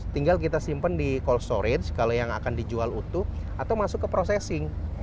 tinggal kita simpan di cold storage kalau yang akan dijual utuh atau masuk ke processing